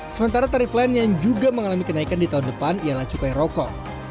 sementara tarif lain yang juga mengalami kenaikan di tahun depan ialah cukai rokok